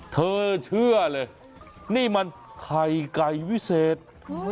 เธอเชื่อเลยนี่มันไข่ไก่วิเศษ